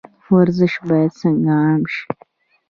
ورزش باید څنګه عام شي؟